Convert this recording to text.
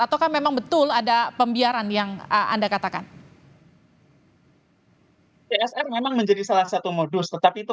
atau memang betul ada pembiaran yang anda katakan csr memang menjadi salah satu modus tetapi itu